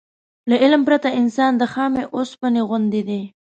له علم پرته انسان د خامې اوسپنې غوندې دی.